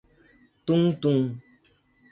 Tuntum